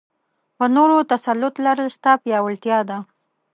په نورو تسلط لرل؛ ستا پياوړتيا ده.